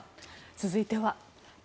続いては。